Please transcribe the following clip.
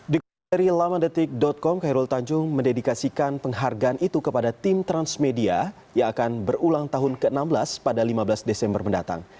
dikutip dari lamandetik com khairul tanjung mendedikasikan penghargaan itu kepada tim transmedia yang akan berulang tahun ke enam belas pada lima belas desember mendatang